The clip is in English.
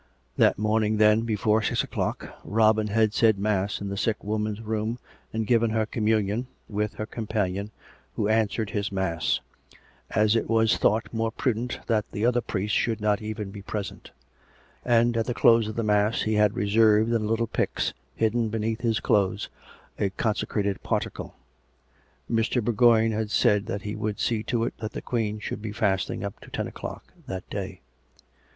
That morning then, before six o'clock, Robin had said mass in the sick woman's room and given her communion, with her companion, who answered his mass, as it was thought more prudent that the other priest should not even be present; and, at the close of the mass he had reserved in a little pyx, hidden beneath his clothes, a consecrated particle. Mr, Bourgoign had said that he would see to it that the Queen should be fasting up to ten o'clock that day.